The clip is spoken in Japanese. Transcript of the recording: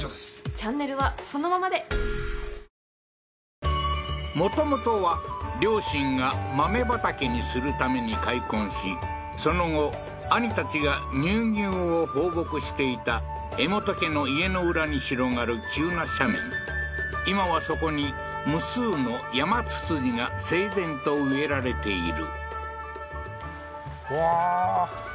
チャンネルはそのままでもともとは両親が豆畑にするために開墾しその後兄たちが乳牛を放牧していた江本家の家の裏に広がる急な斜面今はそこに無数のヤマツツジが整然と植えられている